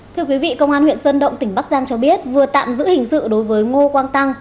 thưa quý vị công an huyện sơn động tỉnh bắc giang cho biết vừa tạm giữ hình sự đối với ngô quang tăng